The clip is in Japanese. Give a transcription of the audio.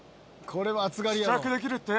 試着できるって。